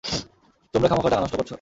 তোমরা খামোখা টাকা নষ্ট করছো।